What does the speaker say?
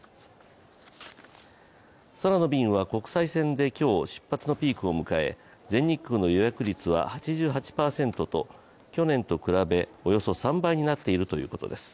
空の便は国際線で今日、出発のピークを迎え全日空の予約率は８８％と去年と比べおよそ３倍になっているということです。